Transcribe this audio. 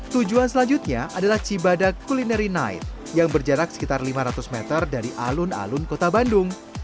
tujuan selanjutnya adalah cibadak culinary night yang berjarak sekitar lima ratus meter dari alun alun kota bandung